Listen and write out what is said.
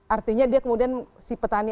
artinya dia kemudian si petani